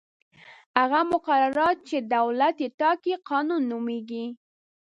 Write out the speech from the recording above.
هغه مقررات چې دولت یې ټاکي قانون نومیږي.